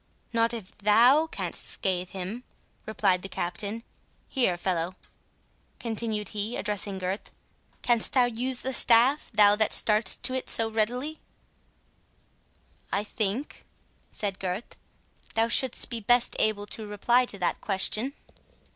"Not if THOU canst scathe him," replied the Captain.—"Here, fellow," continued he, addressing Gurth, "canst thou use the staff, that thou starts to it so readily?" "I think," said Gurth, "thou shouldst be best able to reply to that question."